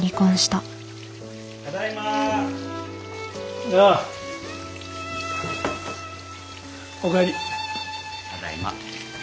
ただいま。